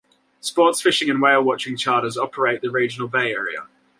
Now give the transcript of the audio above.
Sports fishing and whale watching charters operate the regional bay area.